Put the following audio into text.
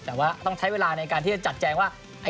แต่ว่าต้องใช้เวลาในการที่จะจัดแจงว่า